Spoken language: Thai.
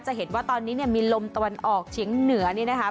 เห็นว่าตอนนี้เนี่ยมีลมตะวันออกเฉียงเหนือนี่นะคะ